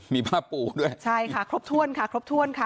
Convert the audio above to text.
มีผ้าปูด้วยใช่ค่ะครบถ้วนค่ะครบถ้วนค่ะ